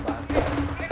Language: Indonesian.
puang ke kameng